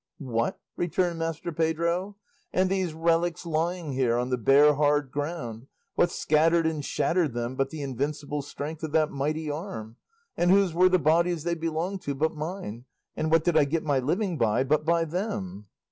"What!" returned Master Pedro; "and these relics lying here on the bare hard ground what scattered and shattered them but the invincible strength of that mighty arm? And whose were the bodies they belonged to but mine? And what did I get my living by but by them?"